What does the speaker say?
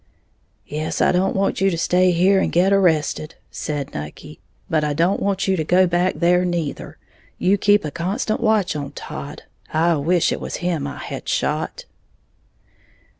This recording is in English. "Yes, I don't want you to stay here and get arrested," said Nucky; "but I don't want you to go back there neither. You keep a constant watch on Todd, I wish it was him I had shot."